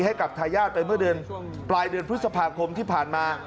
ให้กับทายาทไปเมื่อเดือนปลายเดือนพฤษภาคมที่ผ่านมา